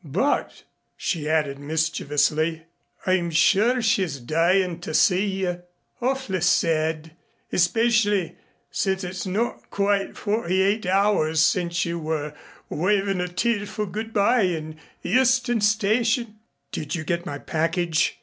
But," she added mischievously, "I'm sure she's dying to see you. Awf'ly sad especially since it's not quite forty eight hours since you were waving a tearful good by in Euston Station." "Did you get my package?"